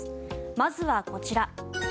まずはこちら。